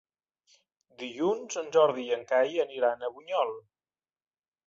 Dilluns en Jordi i en Cai aniran a Bunyol.